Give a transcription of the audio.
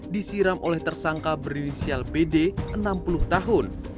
disiram oleh tersangka berinisial pd enam puluh tahun